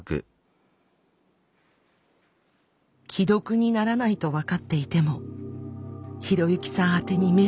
既読にならないと分かっていても啓之さん宛てにメッセージを送信。